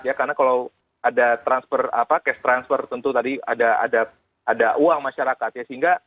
ya karena kalau ada transfer apa cash transfer tentu tadi ada ada uang masyarakat ya sehingga